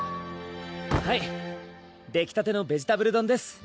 はいできたてのベジタブル丼です